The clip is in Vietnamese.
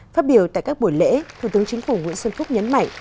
phát biểu tại các buổi lễ thủ tướng chính phủ nguyễn xuân phúc nhấn mạnh